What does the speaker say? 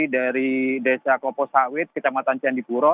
dari desa klopo sawit kecamatan cendikuro